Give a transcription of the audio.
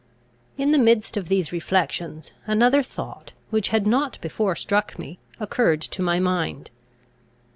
In the midst of these reflections, another thought, which had not before struck me, occurred to my mind.